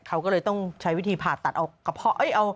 เขาก็เลยต้องใช้วิธีผ่าตัดเอากระเพาะ